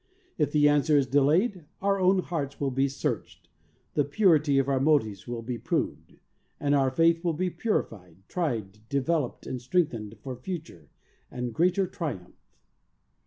If the answer is delayed, our own hearts will be searched, the purity of our motives will be proved, and our faith will be purified, tried, devel oped and strengthened for future and greater triumph.